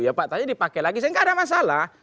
ya pak tadi dipakai lagi saya nggak ada masalah